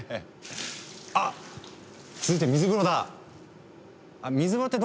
あっ続いて水風呂だ！